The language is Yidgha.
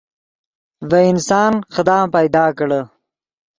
ڤے انسان خدان پیدا کڑے